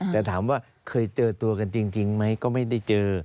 แต่ถามว่าเคยเจอตัวกันจริงไหมก็ไม่ได้เจอ